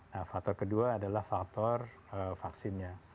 nah faktor kedua adalah faktor vaksinnya